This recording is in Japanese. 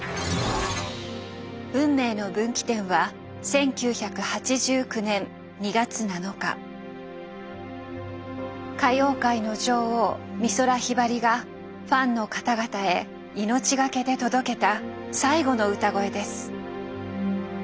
運命の分岐点は歌謡界の女王美空ひばりがファンの方々へ命懸けで届けた最後の歌声です。